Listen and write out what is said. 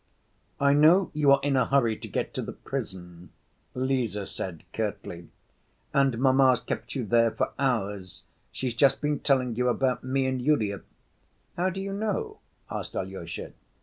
"I know you are in a hurry to get to the prison," Lise said curtly, "and mamma's kept you there for hours; she's just been telling you about me and Yulia." "How do you know?" asked Alyosha.